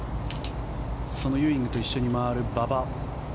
そのユーイングと一緒に回る馬場。